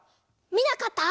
みなかった？